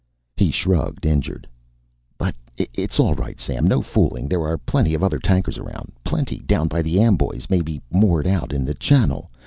He shrugged, injured. "But it's all right, Sam. No fooling. There are plenty of other tankers around. Plenty. Down toward the Amboys, maybe moored out in the channel.